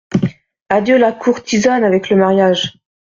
Adieu la courtisane avec le mariage !